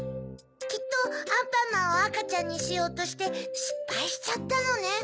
きっとアンパンマンをあかちゃんにしようとしてしっぱいしちゃったのね。